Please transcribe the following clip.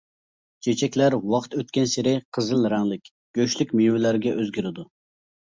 چېچەكلەر ۋاقىت ئۆتكەنسېرى قىزىل رەڭلىك، گۆشلۈك مېۋىلەرگە ئۆزگىرىدۇ.